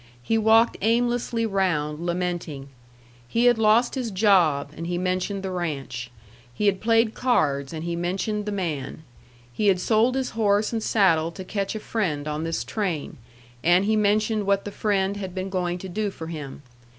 He walked aimlessly round, lamenting. He had lost his job, and he mentioned the ranch. He had played cards, and he mentioned the man. He had sold his horse and saddle to catch a friend on this train, and he mentioned what the friend had been going to do for him.